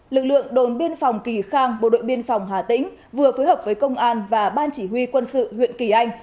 lực lượng đồn biên phòng kỳ khang bộ đội biên phòng hà tĩnh vừa phối hợp với công an và ban chỉ huy quân sự huyện kỳ anh